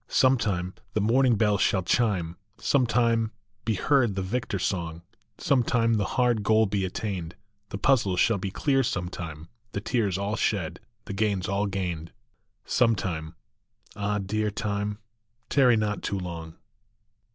Some time the morning bells shall chime, Some time be heard the victor song, Some time the hard goal be attained, The puzzles shall be clear some time, The tears all shed, the gains all gained, Some time Ah, dear time, tarry not too long